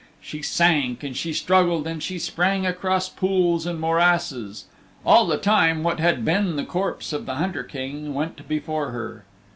She sank and she struggled and she sprang across pools and morasses. All the time what had been the corpse of the Hunter King went before her.